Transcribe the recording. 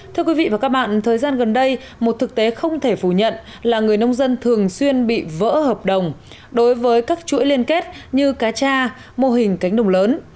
thưa quý vị và các bạn thời gian gần đây một thực tế không thể phủ nhận là người nông dân thường xuyên bị vỡ hợp đồng đối với các chuỗi liên kết như cá cha mô hình cánh đồng lớn